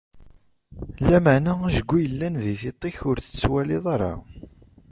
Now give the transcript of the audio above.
Lameɛna ajgu yellan di tiṭ-ik, ur t-tettwaliḍ ara!